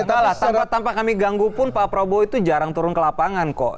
mala tanpa kami ganggu pun pak prabowo itu jarang turun ke lapangan kok